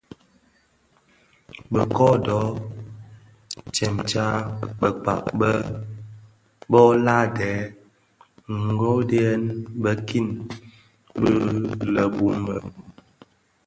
Be kodo tsëmtsa bekpag bō laden ndhoňdeňèn bikin bi lè bum bë mum.